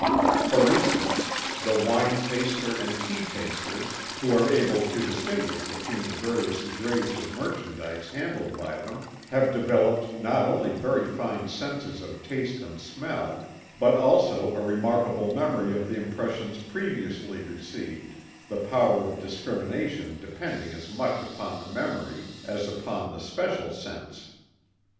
For instance, the wine taster and tea tasters, who are able to distinguish between the various grades of merchandise handled by them, have developed not only very fine senses of taste and smell, but also a remarkable memory of the impressions previously received, the power of discrimination depending as much upon the memory as upon the special sense.